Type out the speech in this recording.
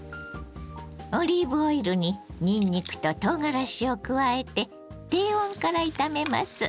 オリーブオイルににんにくととうがらしを加えて低温から炒めます。